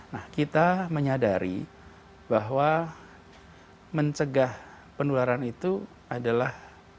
nah kita menyadari bahwa mencegah penularan itu adalah